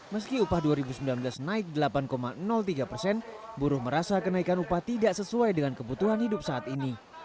meski upah dua ribu sembilan belas naik delapan tiga persen buruh merasa kenaikan upah tidak sesuai dengan kebutuhan hidup saat ini